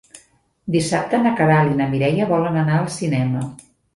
Dissabte na Queralt i na Mireia volen anar al cinema.